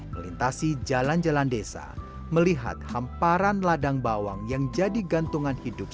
melintasi jalan jalan desa melihat hamparan ladang bawang yang jadi gantungan hidup